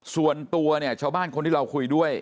ส่วนตัวเนี่ยชาวบ้านคนที่เราคุยด้วย